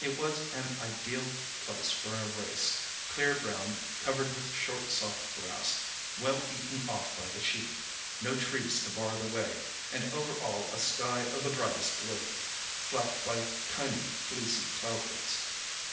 It was an ideal place for a race—clear ground, covered with short soft grass, well eaten off by the sheep—no trees to bar the way, and over all a sky of the brightest blue, flecked by tiny, fleecy cloudlets.